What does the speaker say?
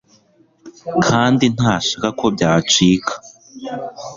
kandi ntashaka ko byacika